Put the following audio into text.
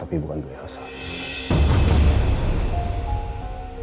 apa yg kamu percaya internacional jikaablinga